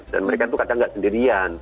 dan mereka itu kadang nggak sendirian